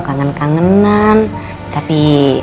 guala gua juga seperti solo